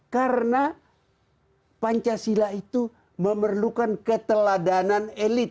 karena pancasila itu memerlukan keteladanan